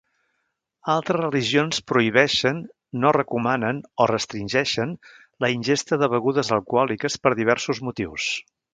Altres religions prohibeixen, no recomanen o restringeixen la ingesta de begudes alcohòliques per diversos motius.